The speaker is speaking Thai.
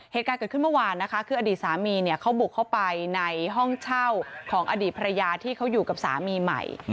เหตุการณ์เกิดขึ้นเมื่อวานนะคะคืออดีตสามีเนี่ยเขาบุกเข้าไปในห้องเช่าของอดีตภรรยาที่เขาอยู่กับสามีใหม่